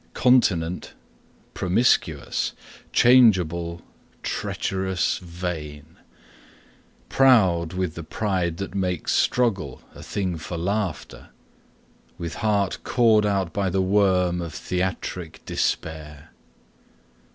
Continent, promiscuous, changeable, treacherous, vain, Proud, with the pride that makes struggle a thing for laughter; With heart cored out by the worm of theatric despair.